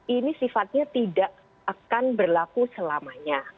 ini sifatnya tidak akan berlaku selamanya